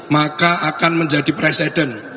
maka akan menjadi presiden